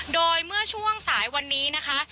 โดยเมื่อช่วงสายวันนี้นะคะ